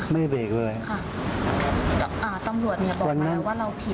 ไม่ได้เบรกเลยค่ะอ่าตำลวดเนี่ยบอกมาว่าเราผิด